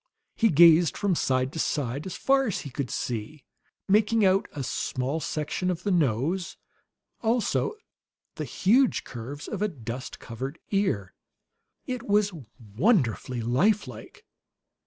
He gazed from side to side as far as he could see, making out a small section of the nose, also the huge curves of a dust covered ear. It was wonderfully life like.